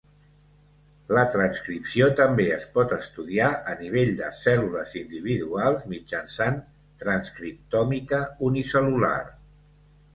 La transcripció també es pot estudiar a nivell de cèl·lules individuals mitjançant transcriptòmica unicel·lular.